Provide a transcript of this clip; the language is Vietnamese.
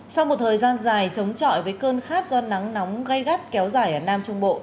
sau một thời gian dài chống trọi với cơn khát do nắng nóng gây gắt kéo dài ở nam trung bộ